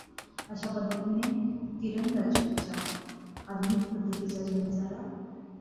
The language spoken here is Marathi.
अशा पद्धतीने तिरंदाजीच्या आधुनिक पद्धतीचा जन्म झाला.